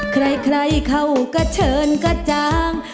ใครใครเขาก็เชิญก็จ้าง